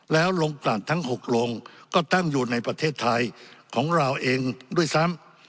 แล้วลงกลั่นทั้ง๖โรงก็ตั้งอยู่ในประเทศไทยของเราเองด้วยซ้ำ